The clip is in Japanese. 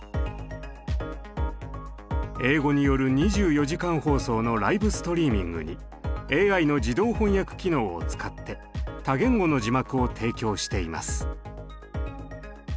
英語による２４時間放送のライブストリーミングにＡＩの自動翻訳機能を使って多言語の字幕を提供しています。